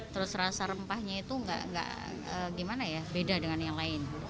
terus rasa rempahnya itu nggak gimana ya beda dengan yang lain